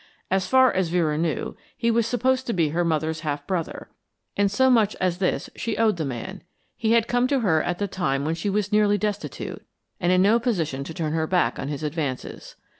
As far as Vera knew, he was supposed to be her mother's half brother, and so much as this she owed the man he had come to her at the time when she was nearly destitute, and in no position to turn her back on his advances.